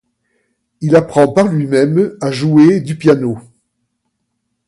Il apprend par lui-même à jouer du piano.